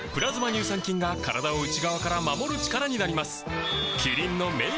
乳酸菌が体を内側から守る力になります